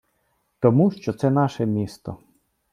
Тому що це наше місто.